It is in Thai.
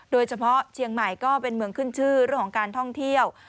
โดยเฉพาะเชียงใหม่ก็เป็นเมืองขึ้นชื่อเรื่องของการท่องเที่ยว